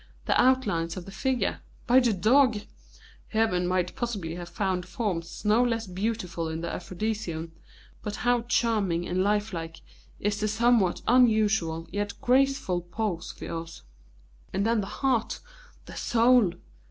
The outlines of the figure By the dog! Hermon might possibly have found forms no less beautiful in the Aphrosion, but how charming and lifelike is the somewhat unusual yet graceful pose of yours! And then the heart, the soul!